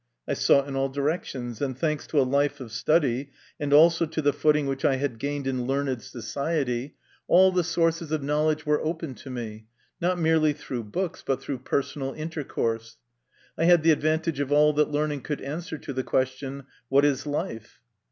I sought in all directions, and, thanks to a life of study, and also to the footing which I had gained in learned society, 38 MY CONFESSION. 39 all the sources of knowledge were open to me, not merely through books, but through personal intercourse. I had the advantage of all that learning could answer to the question, " What is life?"